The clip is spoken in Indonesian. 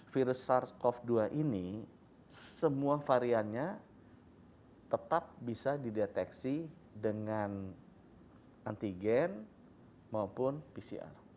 virus sars cov dua ini semua variannya tetap bisa dideteksi dengan antigen maupun pcr